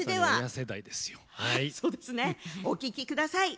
お聴きください。